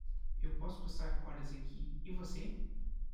eu posso passar horas aqui e você?